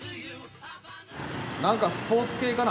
なんかスポーツ系かな。